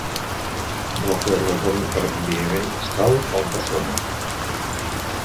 Vol fer el retorn per enviament postal, o en persona?